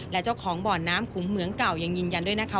และเจ้าของบ่อน้ำขุมเหมืองเก่ายังยืนยันด้วยนะคะ